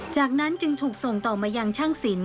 จากนั้นจึงถูกส่งต่อมายังช่างสิน